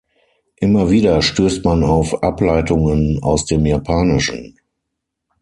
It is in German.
Immer wieder stößt man auf Ableitungen aus dem Japanischen.